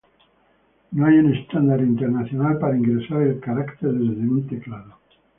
No hay un estándar internacional para ingresar el carácter desde un teclado.